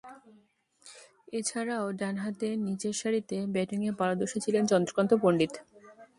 এছাড়াও, ডানহাতে নিচেরসারিতে ব্যাটিংয়ে পারদর্শী ছিলেন চন্দ্রকান্ত পণ্ডিত।